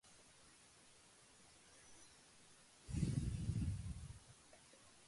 Another pun used is the phrase Religious state?